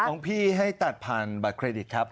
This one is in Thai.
ของพี่ให้ตัดผ่านบัตรเครดิตครับ